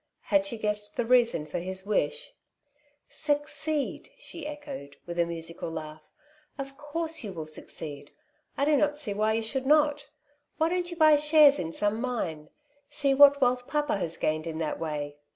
Had she guessed the reason for his wish ?'' Succeed !'' she echoed, with a musical laugh ; "of course you will succeed; I do not see why you should not. Why don't you buy shares in some mine ? See what wealth papa has gained in that way.